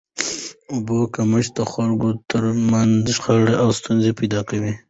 د اوبو کمښت د خلکو تر منځ شخړي او ستونزي پیدا کوي.